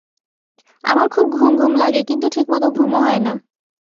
আমার খুব ঘুম ঘুম লাগে কিন্তু ঠিকমত ঘুমও হয় না